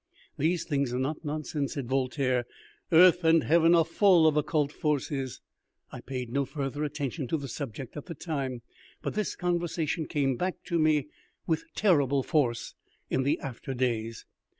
"These things are not nonsense," said Voltaire. "Earth and heaven are full of occult forces." I paid no further attention to the subject at the time, but this conversation came back to me with terrible force in the after days.